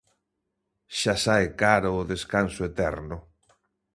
Xa sae caro o descanso eterno.